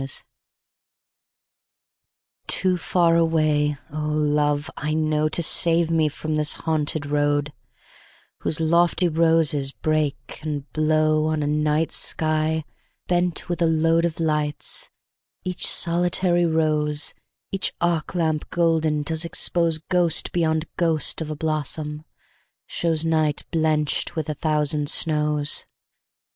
Drunk TOO far away, oh love, I know, To save me from this haunted road, Whose lofty roses break and blowOn a night sky bent with a loadOf lights: each solitary rose, Each arc lamp golden does exposeGhost beyond ghost of a blossom, showsNight blenched with a thousand snows.